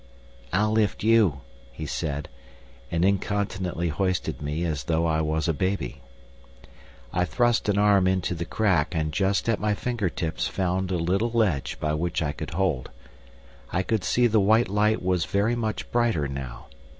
"I'll lift you," he said, and incontinently hoisted me as though I was a baby. I thrust an arm into the crack, and just at my finger tips found a little ledge by which I could hold. I could see the white light was very much brighter now.